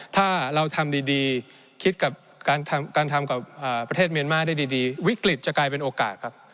ถ้าเราทำดีคิดกับการทำกับประเทศเมียนมาร์ได้ดีวิกฤตจะกลายเป็นโอกาสครับ